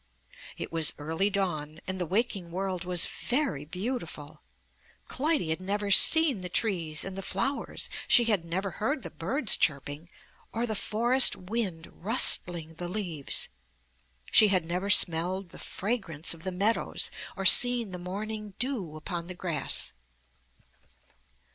It was early dawn, and the waking world was very beautiful. Clytie had never seen the trees and the 124 UP ONE PAIR OF STAIRS 125 MY BOOK HOUSE flowers. She had never heard the birds chirping, or the forest wind rustUng the leaves. She had never smelled the fragrance of the meadows, or seen the morning dew upon the grass.